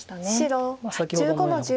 白１５の十。